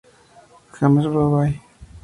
James en Broadway.